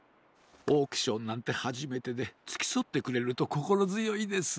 オークションなんてはじめてでつきそってくれるとこころづよいです。